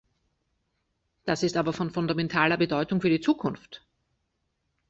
Das ist aber von fundamentaler Bedeutung für die Zukunft.